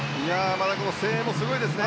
声援もすごいですね。